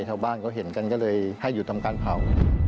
ชาวบ้านเขาเห็นกันก็เลยให้หยุดทำการเผา